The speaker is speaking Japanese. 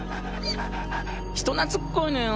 人懐っこいのよ